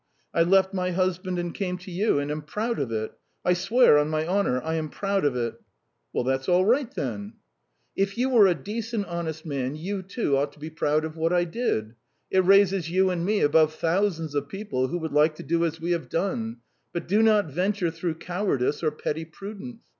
I left my husband and came to you, and am proud of it. I swear, on my honour, I am proud of it!" "Well, that's all right, then!" "If you are a decent, honest man, you, too, ought to be proud of what I did. It raises you and me above thousands of people who would like to do as we have done, but do not venture through cowardice or petty prudence.